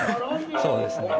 そうですね